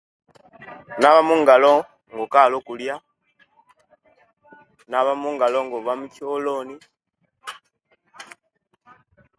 Onaba mungalo nga'okali okulia onaba mungalo nga ova mucholoni